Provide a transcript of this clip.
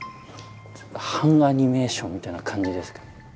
半アニメーションみたいな感じですけど。